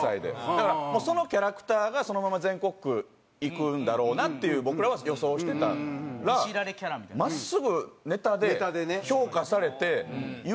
だからそのキャラクターがそのまま全国区いくんだろうなっていう僕らは予想してたら真っすぐネタで評価されて優勝すんのか